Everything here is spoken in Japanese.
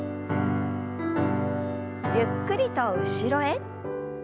ゆっくりと後ろへ。